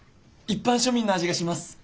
一般庶民の味がします！